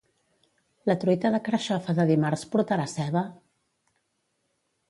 La truita de carxofa de dimarts portarà ceba?